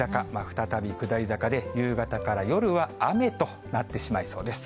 再び下り坂で、夕方から夜は雨となってしまいそうです。